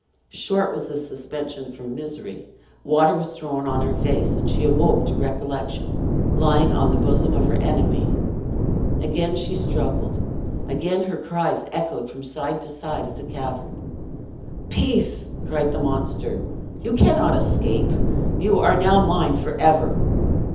Short was this suspension from misery; water was thrown on her face, and she awoke to recollection, lying on the bosom of her enemy. Again she struggled, again her cries echoed from side to side of the cavern. "Peace!" cried the monster; "you cannot escape; you are now mine forever!